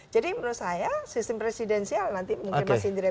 jadi menurut saya sistem presidensial nanti mungkin masih diremehkan